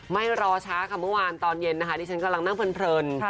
ไม่รอช้าค่ะเมื่อวานตอนเย็นนะคะที่ฉันกำลังนั่งเพลิน